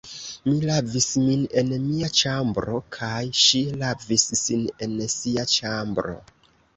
Mi lavis min en mia ĉambro, kaj ŝi lavis sin en sia ĉambro.